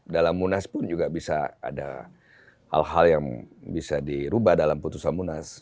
dalam munas pun juga bisa ada hal hal yang bisa dirubah dalam putusan munas